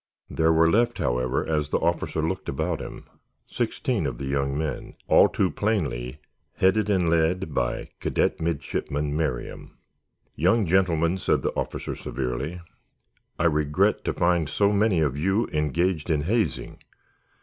There were left, however, as the officer looked about him, sixteen of the young men, all too plainly headed and led by Cadet Midshipman Merriam. "Young gentlemen," said the officer, severely, "I regret to find so many of you engaged in hazing.